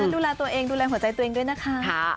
ดูแลตัวเองดูแลหัวใจตัวเองด้วยนะคะ